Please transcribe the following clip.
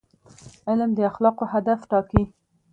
علم د اخلاقو هدف ټاکي.